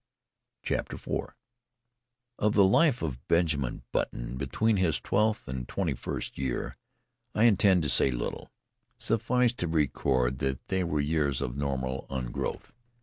IV Of the life of Benjamin Button between his twelfth and twenty first year I intend to say little. Suffice to record that they were years of normal ungrowth.